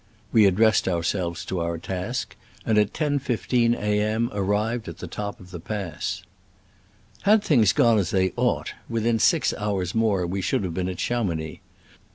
We addressed ourselves to our task, and at lo.i 5 A. M. arrived at the top of the pass. Had things gone as they ought, with in six hours more we should have been at Chamounix.